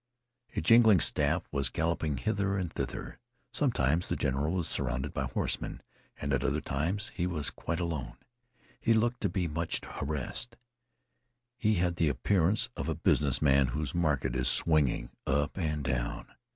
A jingling staff was galloping hither and thither. Sometimes the general was surrounded by horsemen and at other times he was quite alone. He looked to be much harassed. He had the appearance of a business man whose market is swinging up and down.